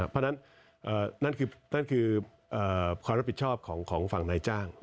เพราะฉะนั้นนั่นคือความรับผิดชอบของฝั่งนายจ้าง